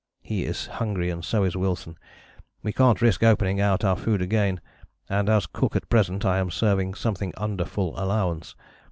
He is hungry and so is Wilson. We can't risk opening out our food again, and as cook at present I am serving something under full allowance.